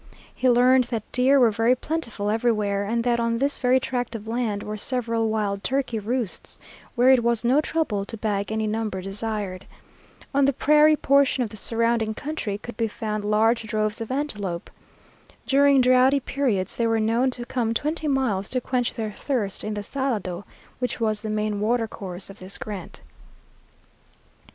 He learned that deer were very plentiful everywhere, and that on this very tract of land were several wild turkey roosts, where it was no trouble to bag any number desired. On the prairie portion of the surrounding country could be found large droves of antelope. During drouthy periods they were known to come twenty miles to quench their thirst in the Salado, which was the main watercourse of this grant.